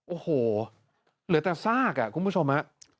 โอ้โหเหลือแต่ซากคุณผู้ชมฮะ